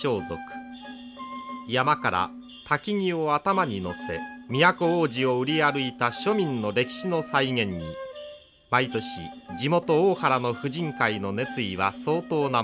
山から薪を頭にのせ都大路を売り歩いた庶民の歴史の再現に毎年地元大原の婦人会の熱意は相当なものです。